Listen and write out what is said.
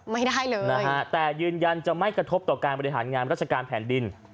ไม่ได้เลยนะฮะแต่ยืนยันจะไม่กระทบต่อการบริหารงานราชการแผ่นดิน